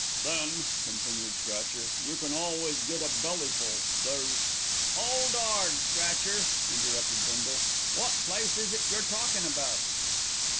"Then," continued Scratcher, "you can always get a bellyful. There's " "'Old 'ard, Scratcher," interrupted Bindle. "Wot place is it you're talkin' about?"